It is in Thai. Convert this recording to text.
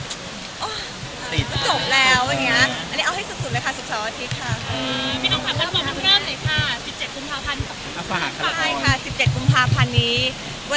สุขค่าในฝ่าย